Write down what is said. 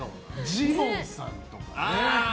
ジモンさんとかね。